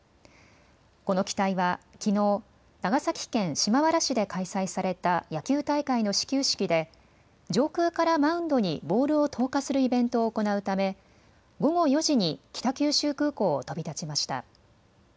この機体はきのう長崎県島原市で開催された野球大会の始球式で上空からマウンドにボールを投下するイベントを行うため午後４時に北九州空港を飛び立ちました。